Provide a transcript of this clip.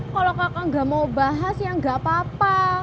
kalau kakak gak mau bahas ya nggak apa apa